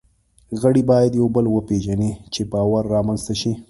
غړي باید یو بل وپېژني، چې باور رامنځ ته شي.